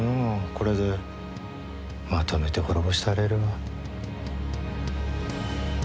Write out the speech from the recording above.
これでまとめて滅ぼしたれるわ。